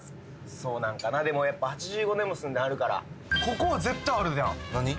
そうなんかなでもやっぱ８５年も住んではるからここは絶対あるやん何？